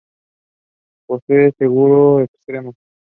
Posee seguro externo.